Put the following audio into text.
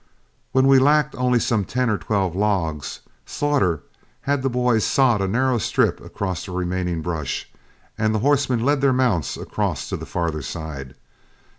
When we lacked only some ten or twelve logs, Slaughter had the boys sod a narrow strip across the remaining brush, and the horsemen led their mounts across to the farther side.